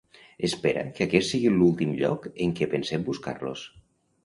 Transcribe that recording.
Espera que aquest sigui l'últim lloc en què pensem buscar-los.